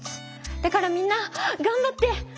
だからみんながんばって！